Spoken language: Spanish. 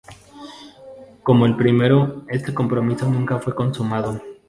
Como el primero, este compromiso nunca fue consumado.